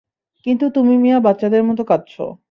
কিন্তু তুমি মিয়া বাচ্চাদের মতো কাঁদছ।